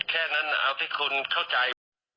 แค่นั้นเอาที่คุณเข้าใจ